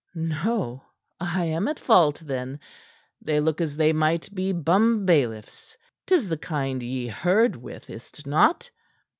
"No? I am at fault, then. Yet they look as if they might be bumbailiffs. 'Tis the kind ye herd with, is't not?